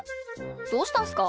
どうしたんすか？